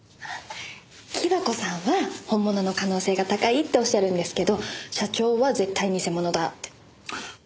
貴和子さんは本物の可能性が高いっておっしゃるんですけど社長は絶対偽物だって。